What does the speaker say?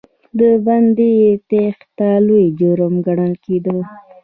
د بندي تېښته لوی جرم ګڼل کېده.